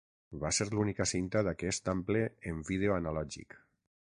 Va ser l'única cinta d'aquest ample en vídeo analògic.